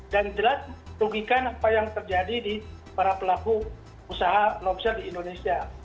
dan jelas rugikan apa yang terjadi di para pelaku usaha lobster di indonesia